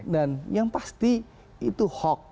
dan yang pasti itu hoax